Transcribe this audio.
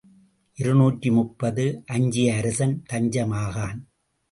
இருநூற்று முப்பது அஞ்சிய அரசன் தஞ்சம் ஆகான்.